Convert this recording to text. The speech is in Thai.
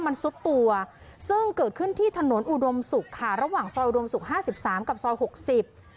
มันซุดตัวซึ่งเกิดขึ้นที่ถนนอุดมศุกร์ค่ะระหว่างซอยอุดมศุกร์ห้าสิบสามกับซอยหกสิบ